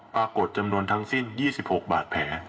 จำนวนทั้งสิ้น๒๖บาดแผล